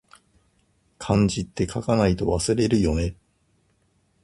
漢字って、書かないと忘れるよね